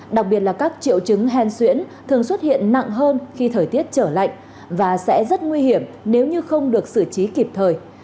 đặc biệt là các triệu chứng hen xuyễn thường xuất hiện nặng hơn khi thời tiết trở lạnh và sẽ rất nguy hiểm nếu như không được xử trí kịp thời